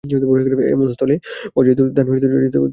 এমন স্থলে অযাচিত দানে যাচিত দানের চেয়ে খরচ বেশি পড়িয়া যায়।